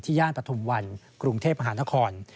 ย่านปฐุมวันกรุงเทพมหานคร